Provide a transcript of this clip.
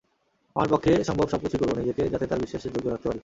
আমার পক্ষে সম্ভব সবকিছুই করব, নিজেকে যাতে তাঁর বিশ্বাসের যোগ্য রাখতে পারি।